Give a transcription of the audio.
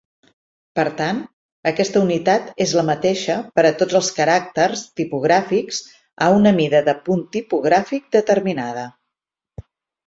Per tant, aquesta unitat és la mateixa per a tots els caràcters tipogràfics a una mida de punt tipogràfic determinada.